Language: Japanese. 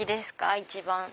一番。